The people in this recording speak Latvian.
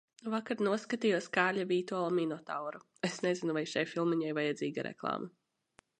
Vakar noskatījos Kārļa Vītola Minotauru. Es nezinu vai šai filmiņai vajadzīga reklāma.